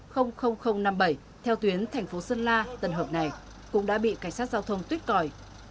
f năm mươi bảy theo tuyến thành phố sơn la tần hợp này cũng đã bị cảnh sát giao thông tuyết còi